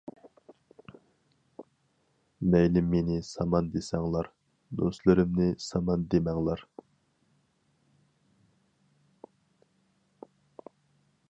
مەيلى مېنى سامان دېسەڭلار، دوستلىرىمنى سامان دېمەڭلار.